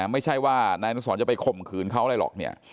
ไม่ใช่ว่านายอนุสรจะไปข่มขืนเขาอะไรหรอกเนี่ย